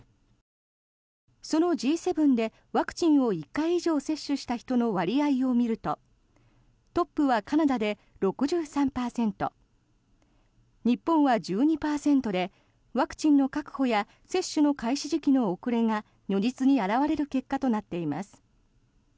そのＧ７でワクチンを１回以上接種した人の割合を見るとトップはカナダで６３％日本は１２％でワクチンの確保や接種の開始時期の遅れが如実に表れる結果となっています。